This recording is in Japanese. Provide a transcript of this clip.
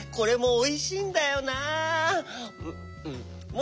お！